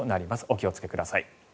お気をつけください。